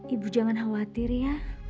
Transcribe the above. ibu jangan khawatir ya